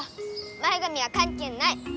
前がみはかんけいない！